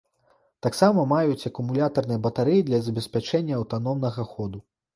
Таксама маюць акумулятарныя батарэі для забеспячэння аўтаномнага ходу.